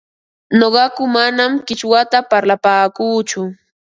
Nuqaku manam qichwata parlapaakuuchu,